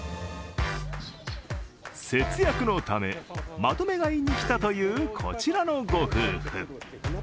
節約のため、まとめ買いに来たというこちらのご夫婦。